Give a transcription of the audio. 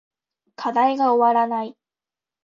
課題が終わらない